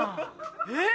えっ？